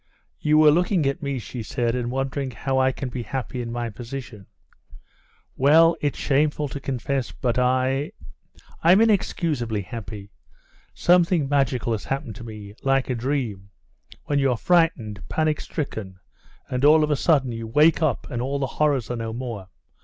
"You are looking at me," she said, "and wondering how I can be happy in my position? Well! it's shameful to confess, but I ... I'm inexcusably happy. Something magical has happened to me, like a dream, when you're frightened, panic stricken, and all of a sudden you wake up and all the horrors are no more.